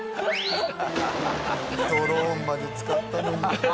ドローンまで使ったのに。